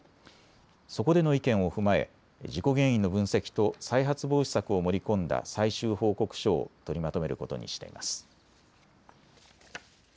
そこでの意見を踏まえ事故原因の分析と再発防止策を盛り込んだ最終報告書を取りまとめることにしています。